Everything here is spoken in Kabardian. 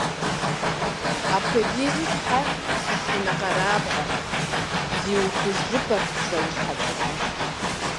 Апхуэдизу щхьэ сышынэкъэрабгъэ? - зиухыжыпэрт псэущхьэ цӀыкӀум.